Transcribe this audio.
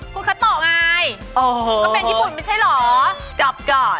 คุณคาโตะไงก็เป็นญี่ปุ่นไม่ใช่เหรอดอบก่อน